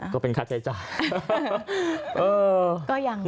ก็เป็นคักจ่ายจ่าย